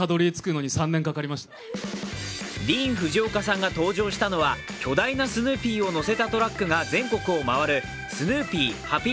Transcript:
ディーン・フジオカさんが登場したのは巨大なスヌーピーをのせたトラックが全国を回る